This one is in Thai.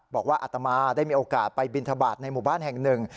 อัตมาได้มีโอกาสไปบินทบาทในหมู่บ้านแห่งหนึ่ง